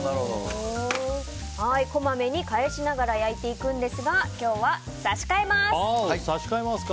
こまめに返しながら焼いていくんですが差し替えますか。